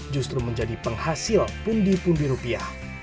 justru menjadi penghasil pundi pundi rupiah